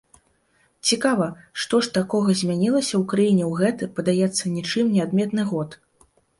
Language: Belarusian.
Цікава, што ж такога змянілася ў краіне ў гэты, падаецца, нічым не адметны год?